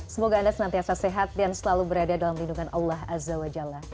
semoga anda senantiasa sehat dan selalu berada dalam lindungan allah azza wa jalla